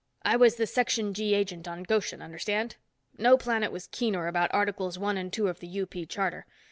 I was the Section G agent on Goshen, understand? No planet was keener about Articles One and Two of the UP Charter.